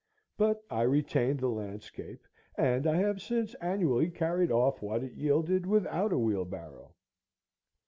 But I retained the landscape, and I have since annually carried off what it yielded without a wheelbarrow.